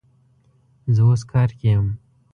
زه اوس کار کی یم